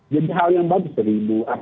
jadi hal yang bagus seribu